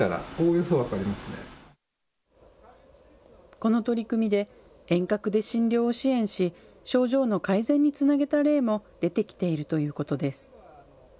この取り組みで遠隔で診療を支援し、症状の改善につなげた例も出てきているということです。